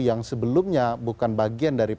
yang sebelumnya bukan bagian dari